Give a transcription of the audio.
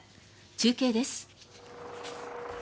中継です。